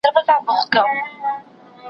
ليکنه د زده کوونکي له خوا کيږي!!